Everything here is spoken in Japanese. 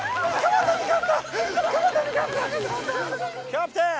キャプテン！